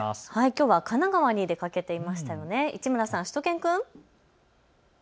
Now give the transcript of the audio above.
きょうは神奈川に出かけていましたよね、市村さん、しゅと犬くん。